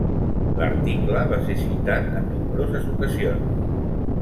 L'article va ser citat en nombroses ocasions.